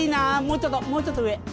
もうちょっともうちょっと上。